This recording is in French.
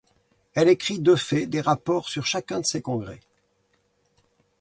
Elle écrit de fait des rapports sur chacun de ces congrès.